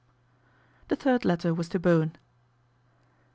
The third letter was to Bowen.